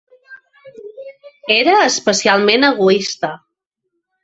Era especialment egoista.